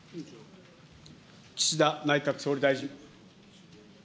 岸田内閣総理大臣。